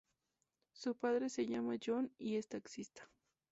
Su padre se llama John y es taxista.